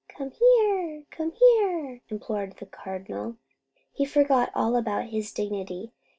"Come here! Come here!" implored the Cardinal. He forgot all about his dignity.